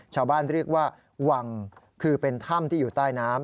ชาวบ้านเรียกว่าวังคือเป็นถ้ำที่อยู่ใต้น้ำ